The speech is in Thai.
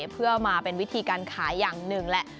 เพื่อมาเป็นวิธีการขายอย่างหนึ่งแหละ